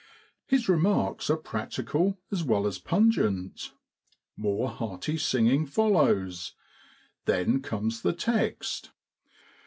His remarks are practical as well as pungent. More hearty singing follows. Then comes the text.